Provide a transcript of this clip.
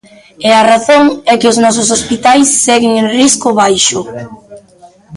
E a razón é que os nosos hospitais seguen en risco baixo.